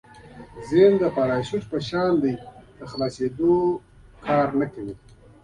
ذهن د پراشوټ په شان دی تر خلاصېدو کار نه کوي.